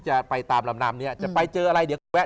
ใช่กันเงินบ้างกว่า